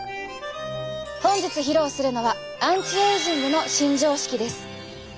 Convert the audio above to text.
本日披露するのはアンチエイジングの新常識です。